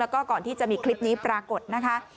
แล้วก็ก่อนที่จะมีคลิปนี้ปรากฏนะคะ